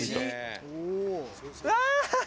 「うわ！」